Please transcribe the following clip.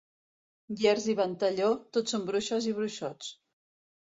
Llers i Ventalló, tot són bruixes i bruixots.